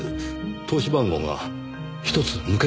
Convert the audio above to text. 通し番号がひとつ抜けてますね。